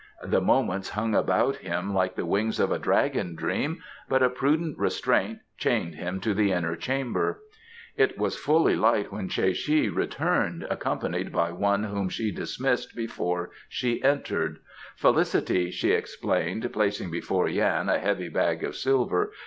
The moments hung about him like the wings of a dragon dream, but a prudent restraint chained him to the inner chamber. It was fully light when Tsae che returned, accompanied by one whom she dismissed before she entered. "Felicity," she explained, placing before Yan a heavy bag of silver.